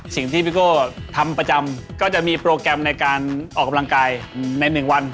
สิ่งที่พี่โก้ทำประจำก็จะมีโปรแกรมในการออกกำลังกายใน๑วัน